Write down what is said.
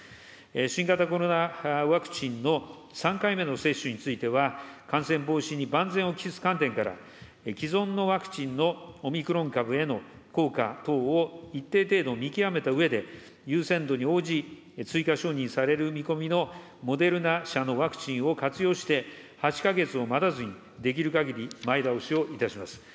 新型コロナワクチンの３回目の接種については、感染防止に万全を期す観点から、既存のワクチンのオミクロン株への効果等を一定程度見極めたうえで、優先度に応じ、追加承認される見込みのモデルナ社のワクチンを活用して、８か月を待たずにできるかぎり前倒しをいたします。